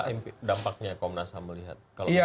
apa dampaknya komnas ham melihat